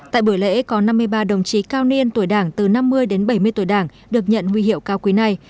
tại buổi lễ có năm mươi ba đồng chí cao niên tuổi đảng từ năm mươi đến bảy mươi tuổi đảng được nhận huy hiệu cao quý này